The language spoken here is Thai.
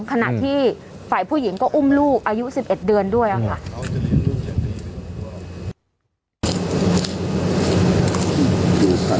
ขณะที่ฝ่ายผู้หญิงก็อุ้มลูกอายุ๑๑เดือนด้วยค่ะ